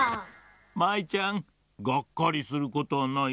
舞ちゃんがっかりすることはないよ。